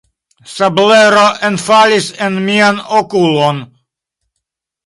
Sablero enfalis en mian okulon.